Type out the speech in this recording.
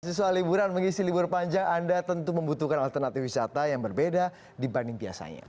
sesuai liburan mengisi libur panjang anda tentu membutuhkan alternatif wisata yang berbeda dibanding biasanya